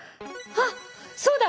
あっそうだ！